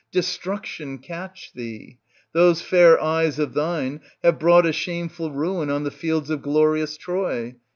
Destruction catch thee ! Those fair eyes of thine have brought a shame ful ruin on the fields of glorious Troy.